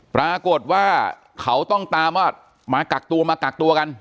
ปรากฏว่าเขาต้องตามว่ามากักตัวมากักตัวกัน